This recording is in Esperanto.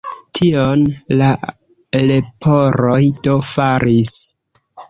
Tion la leporoj do faris.